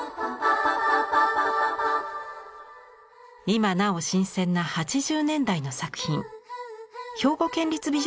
今なお新鮮な８０年代の作品。